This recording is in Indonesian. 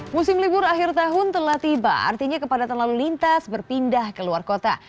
musim libur akhir tahun telah tiba artinya kepadatan lalu lintas berpindah ke luar kota